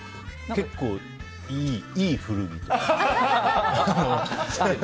結構、いい古着とか。